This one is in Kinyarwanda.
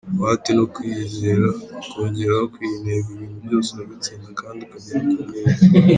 Umuhate no kwiyizera ukongeraho kwiha intego, ibintu byose urabitsinda kandi ukagera kuntego.